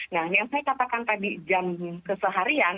nah yang saya katakan tadi jam keseharian